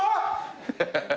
ハハハハ。